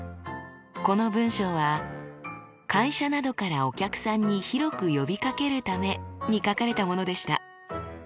この文章は「会社などからお客さんに広く呼びかけるため」に書かれたものでした。